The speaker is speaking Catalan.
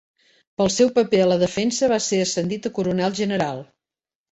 Pel seu paper a la defensa va ser ascendit a Coronel General.